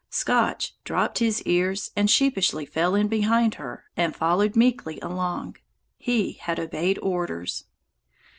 Scotch dropped his ears and sheepishly fell in behind her and followed meekly along. He had obeyed orders.